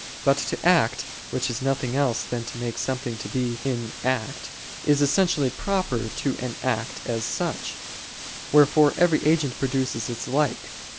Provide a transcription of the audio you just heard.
But to act, which is nothing else than to make something to be in act, is essentially proper to an act as such; wherefore every agent produces its like.